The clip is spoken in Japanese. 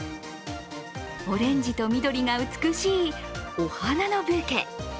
オレンジと緑が美しいお花のブーケ。